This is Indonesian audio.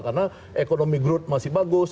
karena ekonomi grut masih bagus